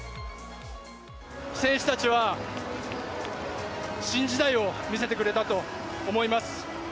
選手たちは、新時代を見せてくれたと思います。